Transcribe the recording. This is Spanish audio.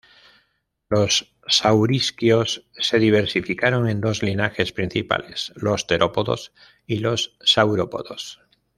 Los saurisquios se diversificaron en dos linajes principales, los terópodos y los saurópodos.